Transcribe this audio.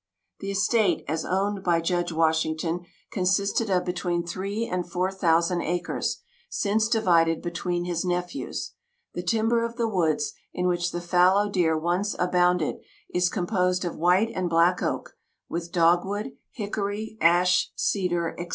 The estate, as owned by Judge Washington, consisted of between three and four thousand acres, since divided between his nephews. The timber of the woods, in which the fallow deer once abounded, is composed of white and black oak, with dog wood, hickory, ash, cedar, &c.